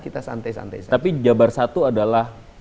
kita santai santai tapi jabar satu adalah